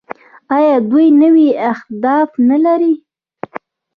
آیا دوی نوي اهداف نلري؟